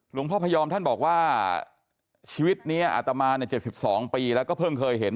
พยอมท่านบอกว่าชีวิตนี้อาตมา๗๒ปีแล้วก็เพิ่งเคยเห็น